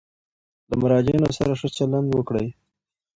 له مراجعینو سره ښه چلند وکړئ.